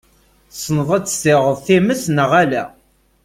Tessneḍ ad tessiɣeḍ times neɣ ala?